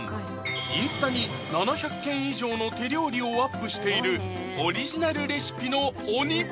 インスタに７００件以上の手料理をアップしているオリジナルレシピの鬼